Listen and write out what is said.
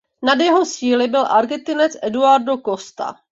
Nad jeho síly byl Argentinec Eduardo Costa.